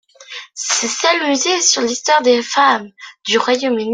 C'est le seul musée sur l'histoire des femmes du Royaume-Uni.